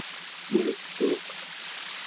muluk'uuq